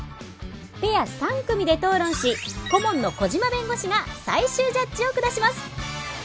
ペア３組で討論し顧問の小島弁護士が最終ジャッジを下します